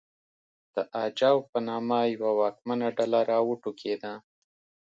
د اجاو په نامه یوه واکمنه ډله راوټوکېده